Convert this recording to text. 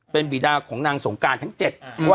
เป็นบีดาของนางสงการทั้ง๗ว่า